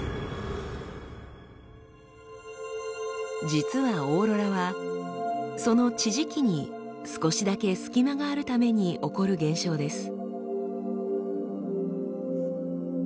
実はオーロラはその地磁気に少しだけ隙間があるために起こる現象です。